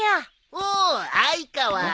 ・おお愛川！